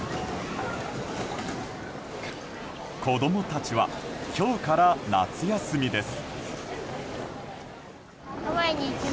子供たちは今日から夏休みです。